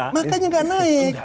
betul makanya gak naik